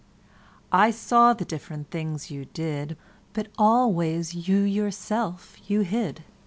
I saw the different things you did, But always you yourself you hid.